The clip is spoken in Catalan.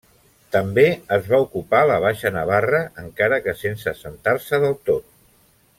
També es va ocupar la Baixa Navarra encara que sense assentar-se del tot.